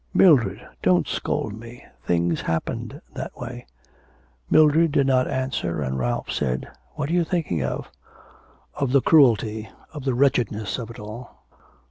'Mildred, don't scold me. Things happened that way.' Mildred did not answer and Ralph said: 'What are you thinking of?' 'Of the cruelty, of the wretchedness of it all.'